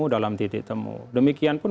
dalam titik temu demikian pun